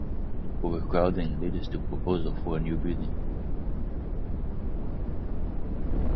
Overcrowding led to proposals for a new building.